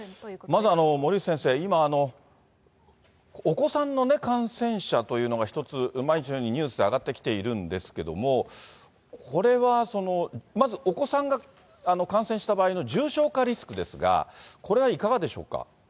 まずは森内先生、今、お子さんの感染者というのが一つ、毎日のようにニュースで上がってきているんですけれども、これはまずお子さんが感染した場合の重症化リスクですが、これはいかがでしょうか。